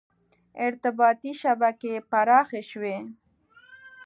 • ارتباطي شبکې پراخې شوې.